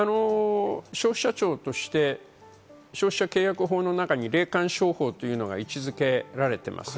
消費者庁として消費者契約法の中に霊感商法というのが位置付けられています。